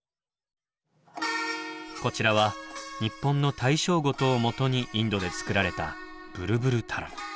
こちらは日本の大正琴をもとにインドで作られたブルブルタラン。